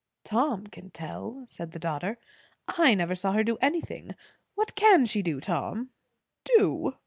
"Tom can tell," said the daughter. "I never saw her do anything. What can she do, Tom?" "_Do?